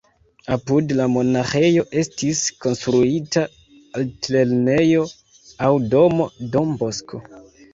Apud la monaĥejo estis konstruita altlernejo aŭ domo Don Bosco.